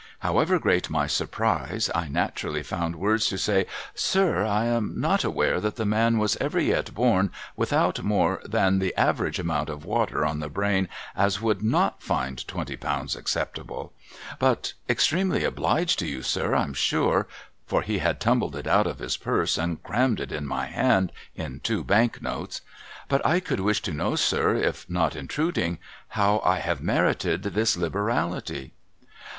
' However great my surprise, I naturally found w^ords to say, ' Sir, I am not aware that the man was ever yet born without more than the average amount of water on the brain as would 7Wt find twenty pounds acceptable. But — extremely obhged to you, sir, I'm sure ;' for he had tumbled it out of his purse and crammed it in my hand in two bank notes ;' but I could wish to know, sir, if not intruding, how I have merited this liberality